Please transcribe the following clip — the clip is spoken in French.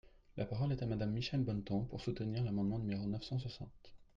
La parole est à Madame Michèle Bonneton, pour soutenir l’amendement numéro neuf cent soixante.